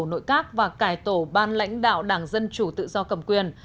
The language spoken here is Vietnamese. nội các và cải tổ ban lãnh đạo đảng dân chủ tự do cầm quyền